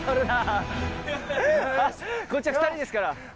こっちは２人ですから。